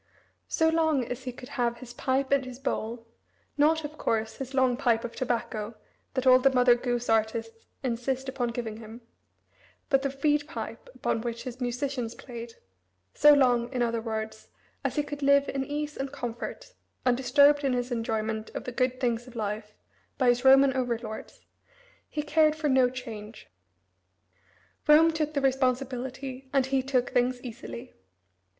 So long as he could have "his pipe and his bowl" not, of course, his long pipe of tobacco that all the Mother Goose artists insist upon giving him but the reed pipe upon which his musicians played so long, in other words, as he could live in ease and comfort, undisturbed in his enjoyment of the good things of life by his Roman over lords, he cared for no change. Rome took the responsibility and he took things easily.